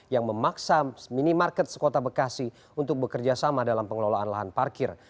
yang memaksa minimarket sekota bekasi untuk bekerjasama dalam pengelolaan lahan parkir